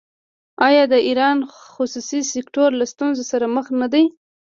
آیا د ایران خصوصي سکتور له ستونزو سره مخ نه دی؟